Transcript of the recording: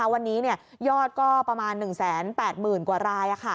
วันนี้ยอดก็ประมาณ๑๘๐๐๐กว่าราย